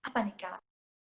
apa nih kak